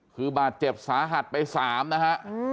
คือบาดเจ็บสาหัสไป๓นะฮะ